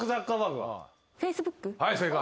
はい正解。